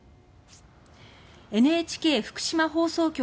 ＮＨＫ福島放送局